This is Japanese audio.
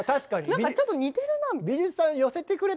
なんかちょっと似てるな。